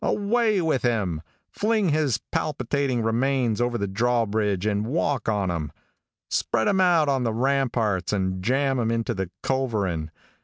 Away with him! Fling his palpitating remains over the drawbridge and walk on him. Spread him out on the ramparts and jam him into the culverin.